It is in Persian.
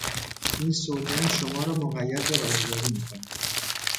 این سوگند شما را مقید به رازداری میکند.